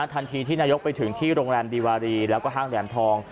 ทันทีที่นายกไปถึงที่โรงแรมดีวารีแล้วก็ห้างแหลมทอง